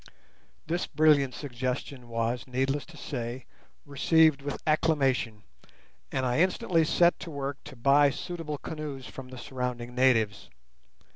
This brilliant suggestion was, needless to say, received with acclamation; and I instantly set to work to buy suitable canoes from the surrounding natives.